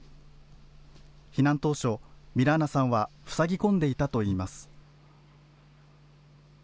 避難当初、ミラーナさんはふさぎ込んでいたといいます。